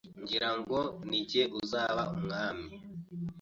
ngira ngo ni jye uzaba umwami